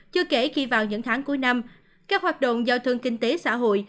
chưa kể khi vào những tháng cuối năm các hoạt động giao thương kinh tế xã hội